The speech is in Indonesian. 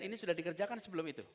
ini sudah dikerjakan sebelum itu